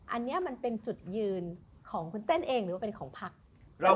อันนี้มันเป็นจุดยืนของคุณเต้นเองหรือว่าเป็นของพัก